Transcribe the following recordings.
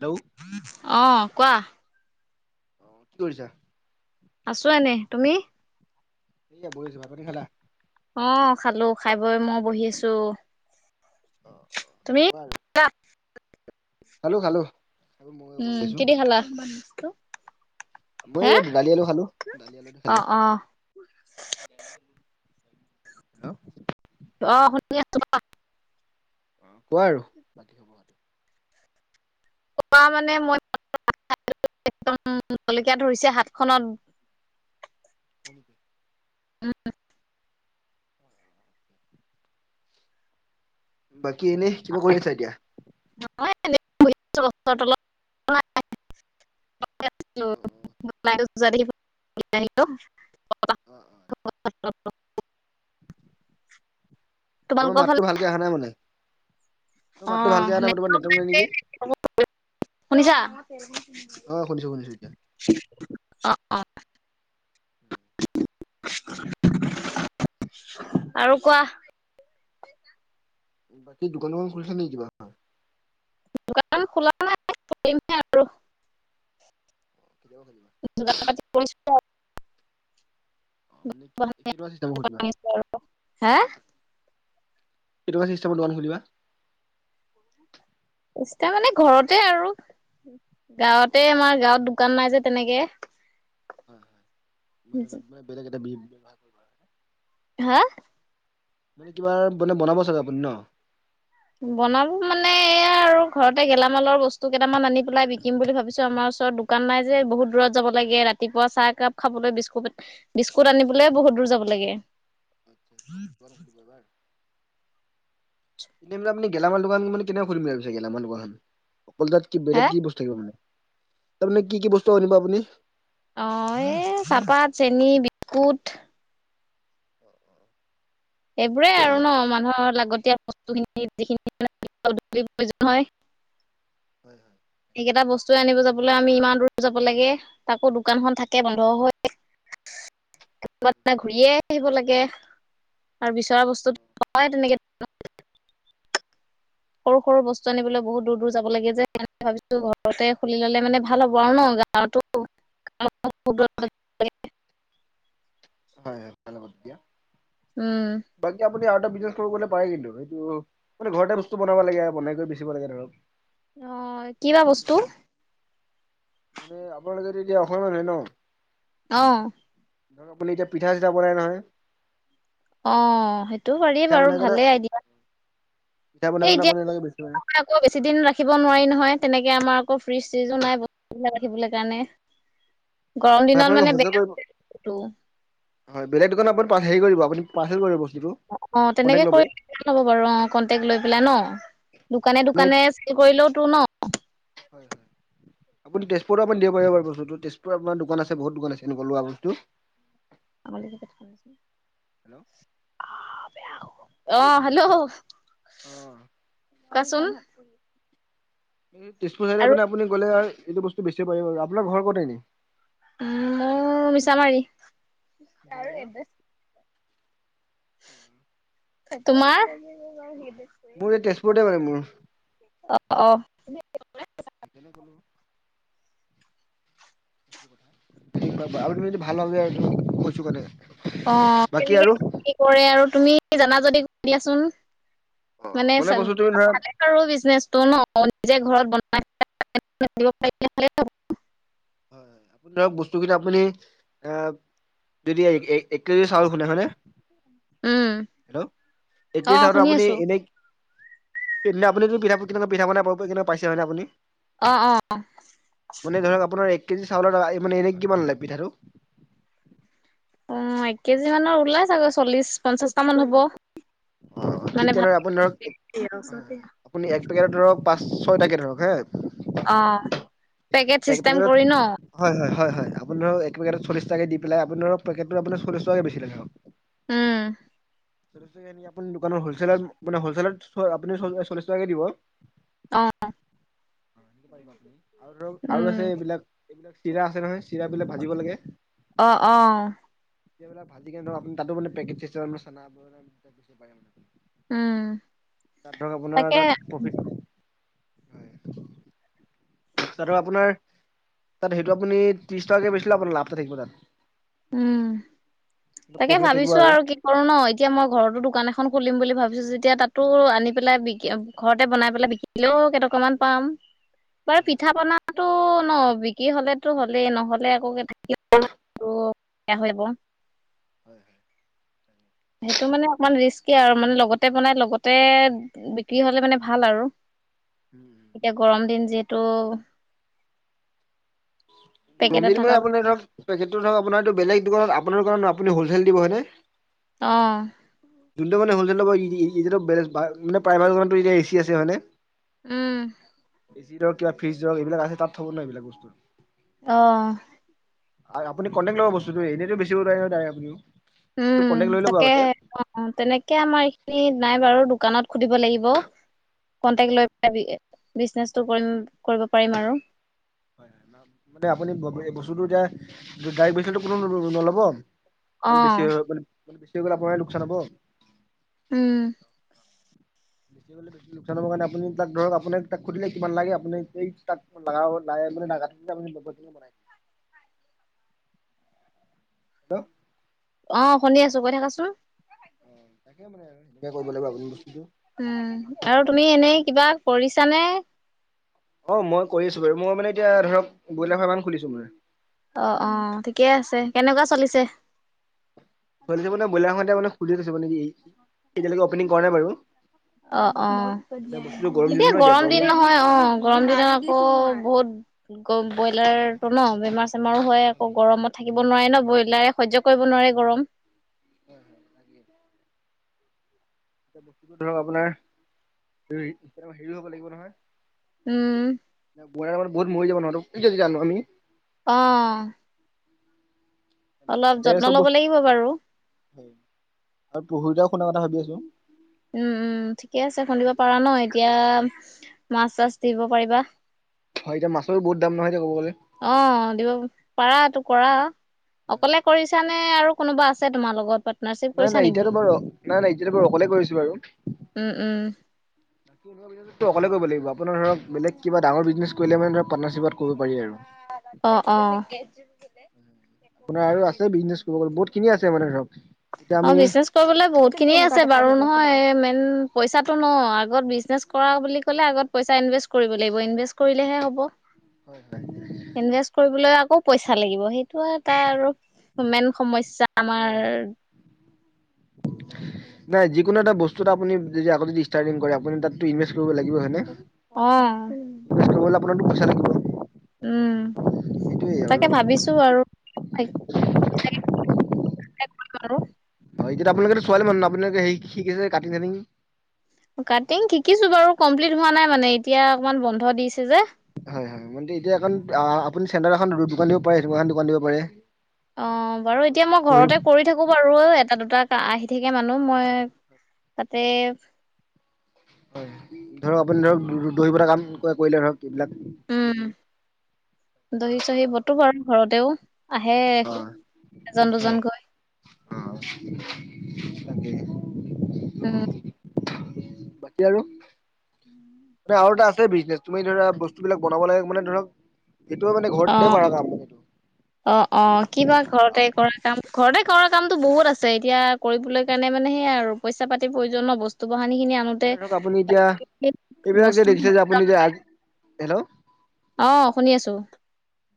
Hello অঁ কোৱা। আহঁ কি কৰিছা? আছো এনে তুমি এইয়া বহিছো তুমি খালা। অঁ খালো খাই বৈ মই বহি আছো। অ অ তুমি কোৱা আৰু [unintelligible] খালো খালো। খালো ময়ো বহি উম আছো কিদি খালা? মই হে এই দালি আলু খালো দালি আলুতে খালি। অ' অ' [inaudible] আহ শুনি আছো ক। অঁ কোৱা আৰু। কোৱা মানে মই [unintelligible] একদম জলকীয়া ধৰিছে হাত খনত। [unintelligible] উম বাকী এনেই কিবা কৰি আছা এতিয়া? নহয় এনেই বহি আছো গছৰ তলত অ অ [unintelligible] [unintelligible] [unintelligible] তোমাৰ মাততো ভালকে অহা নাই মানে। তোমাৰ মাতটো অঁ ভালকে অহা নাই মানে। তোমাৰ নেটৱৰ্ক নাই নেকি [unintelligible] শুনিছা? অহ শুনিছো শুনিছো এতিয়া। অ [unintelligible] আৰু কোৱা। বাকী দোকান দোকান খুলিছে নে কিবা? দোকান খোলা নাই খুলিমহে আৰু। কেতিয়াপা খুলিবা [unintelligible] অ মানে কেনেকুৱা চিষ্টেমত খুলিবা [unintelligible] হা কেনেকুৱা চিষ্টমত দোকান খুলিবা? মানে ঘৰতে আৰু অ গাঁৱতে মানে হয় আমাৰ গাঁৱত শুকান নাই যে তেনেকে। [unintelligible] হা মানে কিবা মানে বনাব চাগে আপুনি ন? বনাব মানে এয়া আৰু ঘৰতে গেলামালৰ বস্তু কেইটামান আনি পেলাই বিকিম বুলি ভাবিছো আমাৰ ও ৰ দোকান নাই যে বহুত দূৰত যাব লাগে ৰাতিপুৱা চাহ একাপ খাবলৈ বিস্কুট বিস্কুট আনিবলৈ বহুত দূৰ যাব লাগে। [inaudible] এ মানে আপুনি গেলামাল দোকান মানে কেনেকৈ খুলিম বুলি ভাবিছে গেলামাল দোকানখন? অ তাত কি বেলেগ হে কি বস্তু থাকিব মানে তাৰ মানে কি কি বস্তু আনিব আপুনি? অ এই চাহপাত চেনী বিস্কুট। অ, সেইবোৰেই আৰু তাকে ন মানুহৰ লা [unintelligible] হয় হয় কেইটা বস্তু আনিব যাবলৈ আমি ইমান দূৰ যাব লাগে তাকো দোকানখন থাকে বন্ধ হৈ। কোবাৰ দিনা ঘূৰিয়ে আহিব লাগে। আৰু বিচৰা বস্তু হয় তেনেকে [unintelligible] সৰু সৰু বস্তু হয়। আনিবলৈ বহুত দূৰ দূৰ যাব লাগে যে। স ভাবিছো ঘৰতে খুলি ললে মানে ভাল হ'ব আৰু ন গাঁৱতো [unintelligible] হয় হয় ভাল [unintelligible] উম সি আৰু এটা বিজনেচ কৰিবলে পাৰে কিন্তু সটো মানে ঘৰতে বস্তু বনাব লাগে বনাই কৰি বেচিব লাগে ধৰক অহ কিবা আপুনি বস্তু? হয় মানে আপোনালোকে এতিয়া অসমীয়া মানুহৰ ন অহ ধৰক আপোনি এতিয়া পিঠা চিঠা বনাই নহয় অহ সেইটো কৰিই পিঠা বাৰু বনাই কেনে ভালেই আই দিয়া পিঠা বনাই এই কেনে আপোনালোকে বেচিব পাৰে। এতিয়া আকৌ বেছি দিন ৰাখিব নোৱাৰি নহয় তেনেকে আমাৰ আকৌ ফ্ৰিজ চিজো নাই বস্তু বিলাক ৰাখিবলৈ কাৰণে গৰম হয় দিনত আপোনালোকে মানে সহযোগ বেয়া কৰিব হৈ যায় বস্তু হয় বেলেগ দোকান আপোনি হেৰি কৰিব আপুনি পাৰ্চেল কৰিব বস্তুটো অহ কণ্টেক্ট তেনেকে ল'ব। কৰি হব বাৰু অহ কণ্টেক্ট লৈ পেলাই ন হয় দোকানে আপুনি দোকানে চেল কৰিলেও তো ন হয় হয় আপুনি তেজপুৰতো দিব পাৰিবাৰু বস্তুটো তেজপুৰ বহুত দোকান আছে আছে এনেকুৱা লোৱা বস্তু আমালি ভালছিল [unintelligible] হেল্ল' অহ হেল্ল' কোৱাচোন তেজপুৰ চাইডে আৰু মানে আপুনি গ'লে এইটো বস্তু বেছি পাৰিব আৰু আপোনাৰ ঘৰ কত এনেই উম মই মিছামাৰী আৰু উম [unintelligible] তোমাৰ মোৰ এই তেজপুৰতে মানে মোৰ। অহ সেইকাৰণে অহ ক'লো। আৰু তুমি ভাল ল'ৰা বাবে [unintelligible] অহ তেনে কি কৰে আৰু তুমি জানা যদি দিয়াচোন অ মানে চা বস্তু তুমি ধৰা ভালে বিজনেচটো ন নিজে ঘৰত বনা পাৰে ন চ [unintelligible] লাব পাৰিলে ভালেই হব হয় হয় আপুনি ধৰক বস্তু আপুনি অহ যদি এই এক কেজি চাউল খুন্দে হয়নে উম, হেল্ল এক কেজি অ', চাউল শুনি আপুনি আছো। এনেই সেইদিনা আপোনি পঠা কেকুৱ পিঠা বনাইব কেনেকুৱ পাইছে হয়নে আপুনি অ', অ', মানে ধৰক আপোনাৰ এক কেজি চাউলৰ মানে এনেই কিমান উলাই পিঠাটো অহ এক কেজি মানৰ ওলাই চাগৈ চল্লিশ পঞ্চাশটা মান হ'ব অহ ঠিক মানে ভাল তেনেৰে আপুনি ধৰক আপুনি হয়হয় ইয়াত ধৰক পাঁচশ টকীয়া ধৰক অ', হে পেকেট এক চিষ্টেম পেকেট কৰি ন'? হয় হয় হয় হয় আপোন ধৰক এপেকেট চল্লি কে দি পেলাই আপোনি ধৰক পেকেট আপোনি চল্লিশটা বেছিলে উম চল্লিছ টকীয়া আহি দোকানৰ হলচেলত ম হলচেলত আপুনি চল্লিশ টকাকে দিব অ', আৰু উম, আছে এইবিলাক চিৰা আছে নহয় চিৰা বিলাক ভাজিব লাগে অ', অ', এইবিলাক ভাজি কি ন তাতো পেকেট চিষ্টেম চানা বনাই দি বেচিব পাৰে মানে উম, তাত ধৰক আপোনাৰ তাকে তাত প্ৰফিট হয় তাতো আপোনাৰ তাত সেইটো আপুনি ত্ৰিশ টকাকে বেচিলে আপোনাৰ লাভ এটা থাকিব তাত উম তাকে প্ৰফিট থাকিব ভাবিছো আৰু হয়, কি কৰো ন এতিয়া মই ঘৰতো দোকান এখন খোলিম বুলি ভাবিছো যেতিয়া তাতো আনি পেলাই বিক্ৰী ঘৰতে বনাই পেলাই বিকিলেও কেইটকামান পাম বাৰু হয়। পিঠা পনা টো ন বিক্ৰী হলেতো হ'লেই নহ'লে একে থাকিব দিগদাৰ হৈ যাব [inaudible] সেইটো মানে অকমান ৰিস্কি আৰু মানে লগতে বনাই লগতে বিক্ৰী হলে মানে ভাল আৰু। [inaudible] এতিয়া গৰম তাকেই। দিন যিহেতু গৰম পেকেটত দিনত মানে থকা আপোনাৰ ধৰক পেকেটো ধৰক আপোনাৰ তো বেলেগ দোকানত আপোনাৰ কাৰণ আপুনি হ'লচেল দিব হয়নে? অহ। [unintelligible] এতিয়া এচি আছে হয় নে? উম। এ চি ৰক কিবা ফ্ৰজ ৰৰক এইবিলাক আছে তাত থব ন এইবিলাক বস্তু। অহ। আৰে আপুনি কনটেক লব বস্তুটো এনেইটো বেচিব নোৱাৰে ন' ডাইৰেক্ট আপনি। উম, তাকেহে তেনেকে আমাৰ এইখিনি নাই বাৰু‌ দো দোকানত সুধিব লাগিব কনটেক লৈ [unintelligible] বিজনেচটো কৰিম - কৰিব পাৰিম আৰু। হয় মানে আপুনি বস্তুটো এতিয়া ডাইৰেক্ট বেচিলে কোনো নলব। মানে বেছি অ', হৈ মানে মানে বেছি হৈ গ'লে আপোনাৰে লোকচান হ'ব। উম। বেছিলে বেছি লোকচান হ'ব কাৰণে আপুনি তাক ধৰক আপোনাক তাক সুধিলে কিমান লাগে আপুনি সেই তাক‌ [unintelligible] [unintelligible] [inaudible] [unintelligible] অ', শুনি আছো কৈ থাকাচোন। [unintelligible] কৰিব লাগিব আপুনি। বস্তুটো। উম, আৰু তুমি এনেই কিবা কৰিছানে? অ, মই কৰি আছো বাৰু মই মানে এতিয়া ধৰক ব্ৰইলাৰ ফাৰ্ম এখন খুলিছো মানে। অ' অ', ঠিকে আছে। কেনেকুৱা চলিছে? মানে বইলাৰতে মানে খুলি থৈছো মানে এতিয়ালৈকে অপনিং কৰা নাই বাৰু। অ, অ মানে বস্তুটো গৰম দিন এতিয়া ন গৰম দিন নহয় অ গৰম দিনত আকৌ বহুত কত গ ব্ৰইলাৰটো ন বেমাৰ চেমাৰো হয়। আকৌ গৰমত থাকিব নোৱাৰে ন, ব্ৰইলাৰে সহ্য কৰিব নোৱাৰে গৰম। [inaudible] এতিয়া ধৰক আপোনাৰ এক হেৰি হব লাগিব উম, নহয় [unintelligible] বহুত মৰি যাব নহ কি জানো আমি। অ'। অলপ লাহে-লাহে যত্ন চব ল'ব বস্তু লাগিব বাৰু। [unintelligible] শুনা কথা ভাবি আছোঁ। উম, উম। উম, ঠিকে আছে খুন্দিব পাৰা ন এতিয়া মাছ চাছ দিব পাৰিবা। হয়, এতিয়া মাছৰো বহুত দাম নহয়। এতিয়া ক'ব গ'লে। অ', দিব পাৰা তো কৰা অকলে কৰিছা নে? আৰু কোনোবা আছে তোমাৰ লগত পাৰ্টনাৰশ্বিপ নাই, কৰিছা নাই নেকি? এতিয়াতো বাৰু, নাই নাই এতিয়াতো বাৰু অকলে কৰিছোঁ বাৰু। উম, উম, অকলে কৰিব লাগিব। আপোনাৰ ধৰক বেগ কিবা ডাঙৰ বিজনেছ কৰিলে মানে পাৰ্টনাৰসিপত‌ কৰিব পাৰি আৰু। অ', অ'। আপোনাৰ আৰু আছে বিজনেছ কব গলে বহুত কিনি আছে মানে ধৰক। এতিয়া অ', আমি বিজনেচ কৰিবলৈ বহুত খিনিয়ে আছে বাৰু। নহয়, মেইন পইচাটো ন আগত বিজনেচ কৰা বুলি কলে আগত পইচা ইনভেষ্ট কৰিব লাগিব। ইনভেষ্ট কৰিলেহে হ'ব। ইনভেষ্ট কৰিবলৈ আকৌ পইচা লাগিব। সেইটো এটা আৰু মেন সমস্যা হয় আমাৰ হয় নাই যিকোনো এটা বস্তুত আপুনি যদি আগতে যদি ষ্টাৰ্টিং কৰে আপুনি তাতটো ইনভেষ্ট কৰিব লাগিব অ', হয়নে। কৰিব আপোনাৰো পইচা লাগিব। উম, সেইটোৱে আৰু তাকে ভাবিছো আৰু। কাৰো [unintelligible] যেতিয়া আপোনালোকেতো ছোৱালী মানুহ ন আপোনালোকে শিকিছে কাটি-চাটি কাটিং শিকিছো বাৰু কমপ্লিট হোৱা নাই মানে এতিয়া অকমান বন্ধ দিছে যে। হয়, হয়। মানে, এতিয়া এখন আপুনি চেন্টাৰ এখন দোকান দিব পাৰে দোকান দিব পাৰে। অ, বাৰু এতিয়া মই বহি ঘৰতে কৰি থাকো বাৰু এটা দুটা আহ ঠকে মানুহ। মই তাতে হয়, ধৰক আপুনি ধৰক দহি বতা কাম ক কৰিলে ধৰক। এইবিলাক কিবা উম, কিবি দহি-চহি বাটো বাৰু ঘৰতেও। আহে এজন দুজনকৈ। অ, তাকে। অ। বাকী আৰু আৰু এটা আছে বিজনেছ তুমি ধৰা বস্তু বিলাক বনাব লাগে মানে ধৰক এইটো মানে অ, ঘৰতে কৰা কাম মানে এইটো অ, অ কিবা ঘৰতে কৰা কাম ঘৰতে কৰা কামটো বহুত আছে এতিয়া কৰিবলৈ কাৰণে মানে সেইয়া আৰু পইচা পাতিৰ প্ৰয়োজন বস্তু। হানি খিনি আনোতে মানে ধৰক আপুনি এতিয়া এইবিলাক যে বস্তু দেখিছে যে আপুনি যে আজি হেল্ল' আহ শুনি আছো।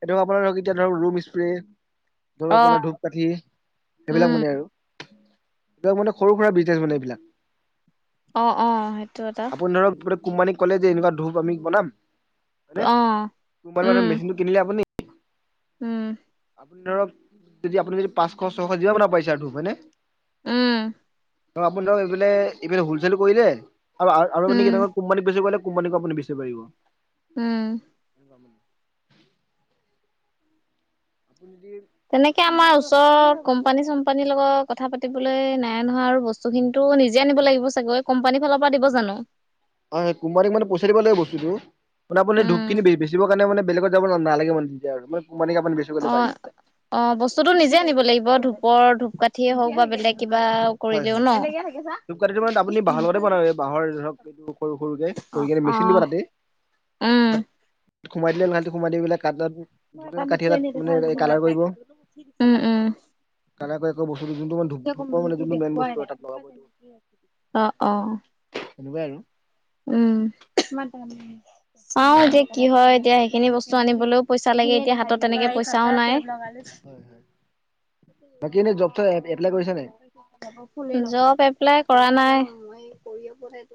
এইটো আপোনাৰ ধৰক এতিয়া ধৰক ৰুম স্প্ৰে ধৰক অ ঘৰত জ্বলোৱা ধূপ কঠি উম সেইবিলাক মানে আৰু মানে সৰু সুৰা বিজনেছ মানে এইবিলাক অ অ সেইটো এটা আপুনি ধৰক কোম্পানীক ক'লে যে এনেকুৱা ধূপ আমি বনাম হয়নে, অ কোমপানী মানে উম মেচিনটো কিনিলে আপুনি উম আপুনি ধৰক যদি আপুনি যদি পাঁচশ ছয়শ যিমান বনাব পাৰিছে আৰু ধূপ হয় নে। উম আপুনি ধৰক এইপিনে এইপিনে হলচেল কৰিলে আৰু আপনি উম, কেনেকুৱা কোম্পানী বেচি কৰিলে কোম্পানীক আপুনি বেচিব পাৰিব। উম। আপুনি যদি তেনেকে আমাৰ ওচৰ কোম্পানী চম্পানীৰ লগত কথা পাতিবলৈ নাই নহয় আৰু বস্তুখিনিতো নিজে আনিব লাগিব চাগে। কোম্পানী ফালৰ পৰা দিব জানো। হয় কম্পেনী মানে পইচাই দিব লাগে বস্তুটো মানে ধূপ উম, খিনি বেচিব কাৰণে বেলেগত যাব নে- নালাগে মানে তেতিয়া। কোম্পানীক আপুনি বেচিব অ পাৰিব। অ বস্তুতটো নিজে আনিব লাগিব ধূপৰ ধূপকাঠিয়ে হওক বা বেলেগ। কিবা হয় কৰিলেও হয়। ন? ধূপ কাঠিটো মানে আপুনি বাঁহৰ লগতে বনায় এই বাঁহৰ ধৰক এইটো সৰু সৰুকে- অ', কৰি কিনে মেচিন অ', দিবা তাতে। [inaudible] সোমাই দিলোহতি সোমাই দিবিলাক কাঠি, দাল উম উম কেনেকৈ এক বস্তু যোনটো মান ধূপ ধূপ মানে যোনটো মেইন বস্তু তাত লগাব এইটো। অ অ তেনেকুৱাই আৰু। উম চাও এতিয়া কি হয় এতিয়া সেইখিনি বস্তু আনিবলৈ। পইচা লাগে এতিয়া হাতত তেনেকে পইচাও নাই। হয় হয়। বাকী এনে জব চব এপ্লাই কৰিছা নাই? জব এপ্লাই কৰা নাই।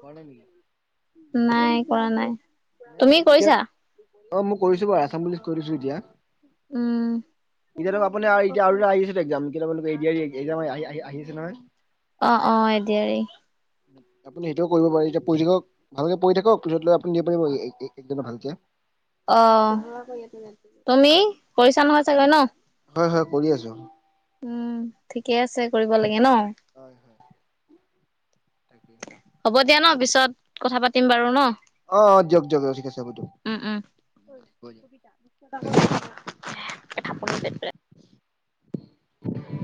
কৰা নেকি? কৰা নাই নাই তুমি নেকি এতিয়া কৰিছা। অ মই কৰিছো বাৰু আসাম পুলিছ কৰি দিছো এতিয়া উম এতিয়া আপুনি এতিয়া আৰু এ আহি আছে একজাম কতিয়োক আহ আহ আহিছে নহয়। অ অ এডিআৰি আপুনি সেইটোও কৰিব পাৰে এতিয়া পঢ়ি থাকক ভালকে পঢ়ি থাকক পিছত আপুনি দিব পাৰিব একদম ভালকে অ তুমি কৰিছা নহয় চাগৈ ন। হয় হয় কৰি আছো। উম ঠিকে আছে কৰিব লাগে ন। হয় হয় তাকেই হ'ব দিয়া ন পিছত কথা পাতিম বাৰু ন। অ অ দিয়ক দিয়ক ঠিক আছে হ'ব দিয়ক। থাপন কেত্ৰ [unintelligible]